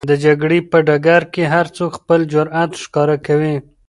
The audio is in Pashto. د جګړې په ډګر کې هر څوک خپل جرئت ښکاره کوي.